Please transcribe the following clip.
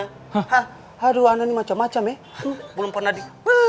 hah aduh anak ini macem macem ya belum pernah di